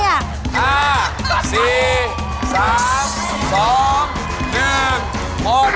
เวิบเว่ย